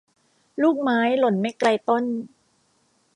ลูกไม้หล่นไม่ไกลต้น